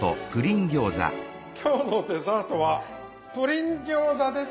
今日のデザートはプリン餃子です。